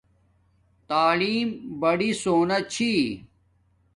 تعلیم بڑی سون چھی